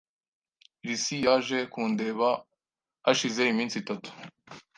Lucy yaje kundeba hashize iminsi itatu .